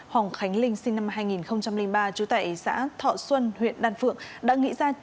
hồng khánh linh sinh năm hai nghìn ba trú tại xã thọ xuân huyện đan phượng